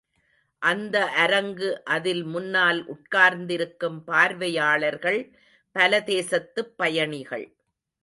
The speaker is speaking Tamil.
அந்த அரங்கு அதில் முன்னால் உட்கார்ந்திருக்கும் பார்வையாளர்கள் பல தேசத்துப் பயணிகள்.